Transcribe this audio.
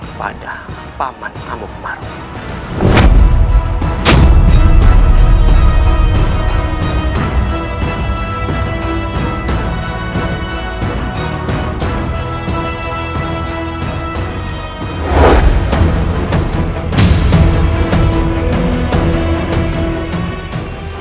kepada paman amuk marunggu